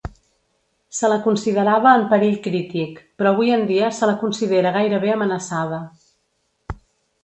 Se la considerava en perill crític, però avui en dia se la considera gairebé amenaçada.